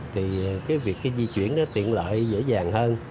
thì cái việc di chuyển đó tiện lợi dễ dàng hơn